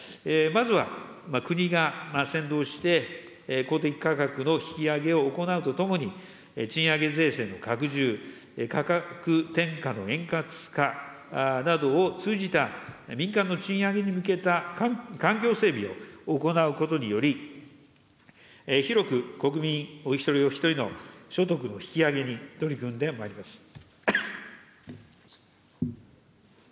まずは国が先導して、公的価格の引き上げを行うとともに、賃上げ税制の拡充、価格転嫁の円滑化などを通じた、民間の賃上げに向けた環境整備を行うことにより、広く国民お一人お一人の所得の引き上げに取り組んでまいります。